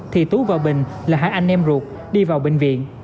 thì tú và bình là hai anh em ruột đi vào bệnh viện